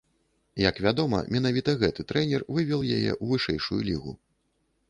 Як вядома, менавіта гэты трэнер вывеў яе ў вышэйшую лігу.